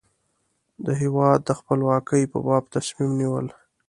د هېواد خپلواکۍ په باب تصمیم نیول.